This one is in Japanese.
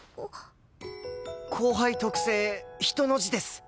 後輩特製人の字です。